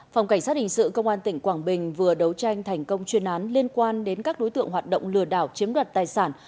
phòng cảnh sát hình sự công an tỉnh quảng bình vừa đấu tranh thành công chuyên án liên quan đến các đối tượng hoạt động lừa đảo chiếm đoạt tài sản